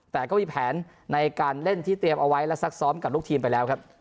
แต่ก็มีแผนในการเล่นที่เตรียมเอาไว้และซักซ้อมกับลูกทีมไปแล้วครับ